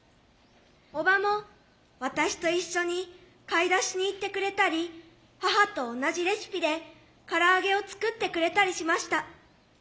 おばも私と一緒に買い出しに行ってくれたり母と同じレシピでから揚げを作ってくれたりしました。